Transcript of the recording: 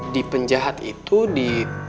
di penjahat itu di